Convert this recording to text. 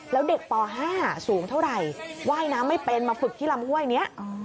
แล้วเด็กป๕สูงเท่าไหร่ว่ายน้ำไม่เป็นมาฝึกที่ลำห้วยนี้